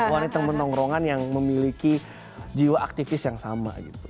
oh ini temen tongkrongan yang memiliki jiwa aktivis yang sama gitu